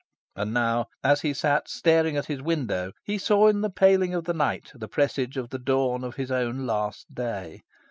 And now, as he sat staring at his window, he saw in the paling of the night the presage of the dawn of his own last day.